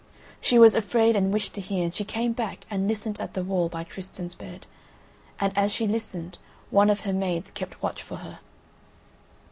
She was afraid and wished to hear, and she came back and listened at the wall by Tristan's bed; and as she listened one of her maids kept watch for her.